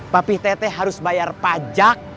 papi teteh harus bayar pajak